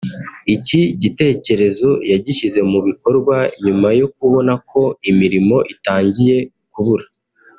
Iki gitekerezo yagishyize mu bikorwa nyuma yo kubona ko imirimo itangiye kubura